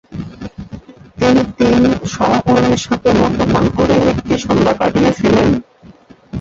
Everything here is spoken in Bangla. তিনি তিন সহকর্মীর সাথে মদ্যপান করে একটি সন্ধ্যা কাটিয়েছিলেন।